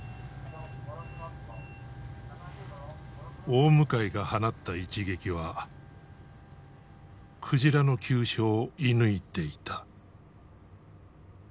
大向が放った一撃は鯨の急所を射ぬいていた。